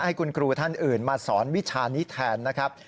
ให้คุณครูท่านอื่นมาสอนวิชานี้แทนนะครับ